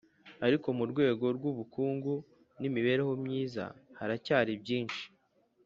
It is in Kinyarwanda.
Ariko mu rwego rw ubukungu n imibereho myiza haracyari byinshi